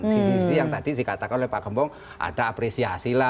sisi sisi yang tadi dikatakan oleh pak gembong ada apresiasi lah